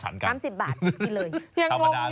หางงล่ะ